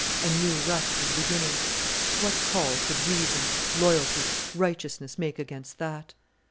A new rush was beginning. What call could reason, loyalty, righteousness make against that?